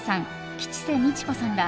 吉瀬美智子さんら